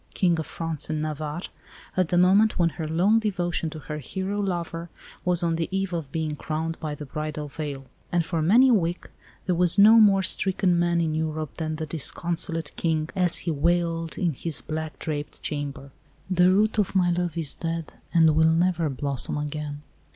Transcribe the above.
King of France and Navarre, at the moment when her long devotion to her hero lover was on the eve of being crowned by the bridal veil; and for many a week there was no more stricken man in Europe than the disconsolate King as he wailed in his black draped chamber, "The root of my love is dead, and will never blossom again."